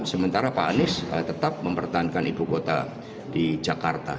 sementara pak anies tetap mempertahankan ibu kota di jakarta